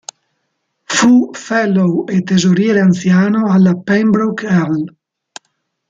Fu Fellow e tesoriere anziano alla Pembroke Hall.